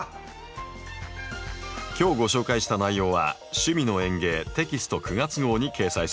今日ご紹介した内容は「趣味の園芸」テキスト９月号に掲載されています。